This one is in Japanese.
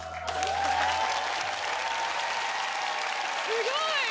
すごい！